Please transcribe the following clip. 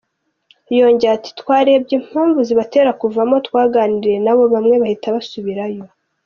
Yongeye ati “Twarebye impamvu zibatera kuvamo, twaganiriye na bo, bamwe bahita basubirayo.